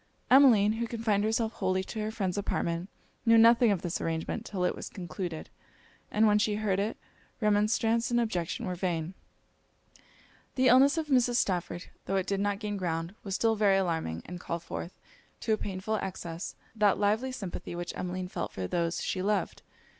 Emmeline, who confined herself wholly to her friend's apartment, knew nothing of this arrangement 'till it was concluded: and when she heard it, remonstrance and objection were vain. The illness of Mrs. Stafford, tho' it did not gain ground, was still very alarming, and called forth, to a painful excess, that lively sympathy which Emmeline felt for those she loved.